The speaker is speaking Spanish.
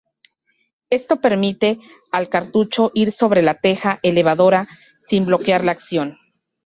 Esto permite al cartucho ir sobre la teja elevadora sin bloquear la acción.